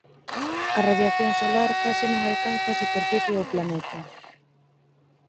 A radiación solar case non alcanza a superficie do planeta.